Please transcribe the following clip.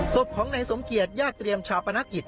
ศพของในสมเกียรติยาเตรียมชาวประนักอิต